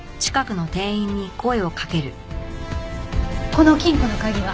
この金庫の鍵は？